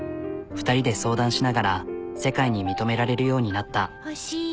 ２人で相談しながら世界に認められるようになった。